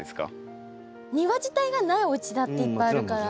庭自体がないおうちだっていっぱいあるから。